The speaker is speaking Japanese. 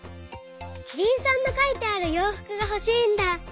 キリンさんのかいてあるようふくがほしいんだ！